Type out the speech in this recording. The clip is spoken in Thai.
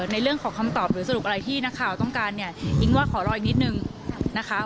ในเรื่องของคำตอบหรือสรุปอะไรที่นักข่าวต้องการเนี่ยอิ๊งว่าขอรออีกนิดนึงนะคะ